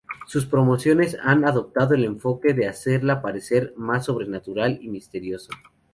Sus promociones han adoptado el enfoque de hacerla parecer más sobrenatural y misterioso.